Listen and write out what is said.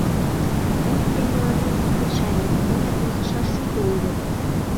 Тый ынде мыланем ит мешае, мыйын возышаш шуко уло.